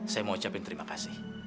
saya mau ucapin terima kasih